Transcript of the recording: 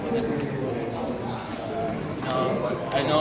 dan sekolah juga mengajar saya